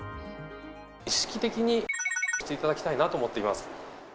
意識的に×××していただきたいなと思っています。